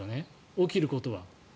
起きることは。